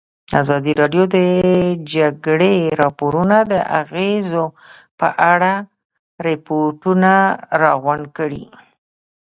ازادي راډیو د د جګړې راپورونه د اغېزو په اړه ریپوټونه راغونډ کړي.